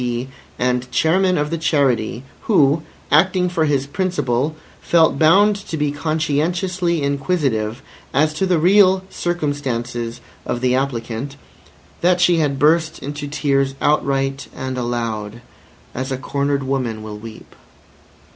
P. and Chairman of the Charity, who, acting for his principal, felt bound to be conscientiously inquisitive as to the real circumstances of the applicant, that she had burst into tears outright and aloud, as a cornered woman will weep.